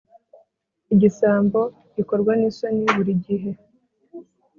igisambo gikorwa n’isoni buri gihe